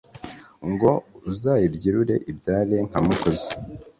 Ngo uzayibyirure ibyare nka Mukozi